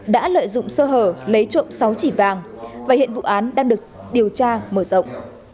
đã lợi dụng sơ hở lấy trộm sáu chỉ vàng và hiện vụ án đang được điều tra mở rộng